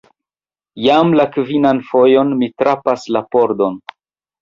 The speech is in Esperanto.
Jam la kvinan fojon mi frapas la pordon!